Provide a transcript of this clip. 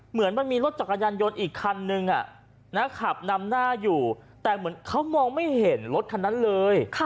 เหมือนมันมีรถจักรยานยนต์อีกคันนึงขับนำหน้าอยู่แต่เหมือนเขามองไม่เห็นรถคันนั้นเลย